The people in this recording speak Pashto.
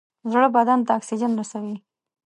زړه بدن ته اکسیجن رسوي.